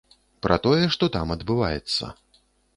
Пра тое, што там адбываецца.